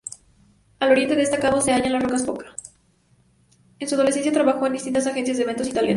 En su adolescencia trabajó en distintas agencias de eventos y talentos.